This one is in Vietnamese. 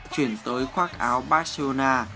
chuyển tới khoác áo barcelona